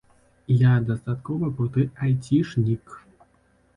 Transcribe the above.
Я дастаткова круты айцішнік.